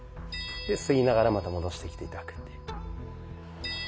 で吸いながらまた戻してきて頂くっていう。